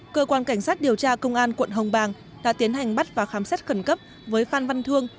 cơ quan cảnh sát điều tra công an quận hồng bàng đã tiến hành bắt và khám xét khẩn cấp với phan văn thương